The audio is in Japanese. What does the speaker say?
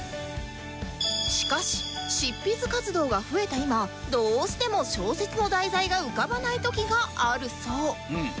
しかし執筆活動が増えた今どうしても小説の題材が浮かばない時があるそう